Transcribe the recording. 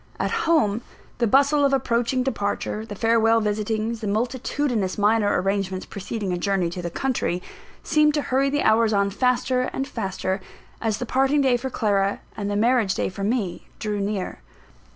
At home, the bustle of approaching departure; the farewell visitings; the multitudinous minor arrangements preceding a journey to the country, seemed to hurry the hours on faster and faster, as the parting day for Clara, and the marriage day for me, drew near.